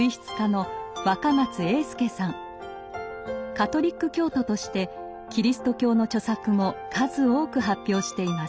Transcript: カトリック教徒としてキリスト教の著作も数多く発表しています。